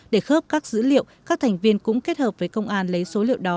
để khớp các dữ liệu các thành viên cũng kết hợp với công an lấy số liệu đó